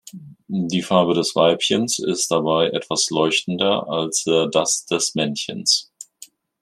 Die Farbe des Weibchens ist dabei etwas leuchtender als das des Männchens.